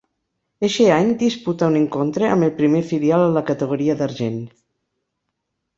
Eixe any disputa un encontre amb el primer filial a la categoria d'argent.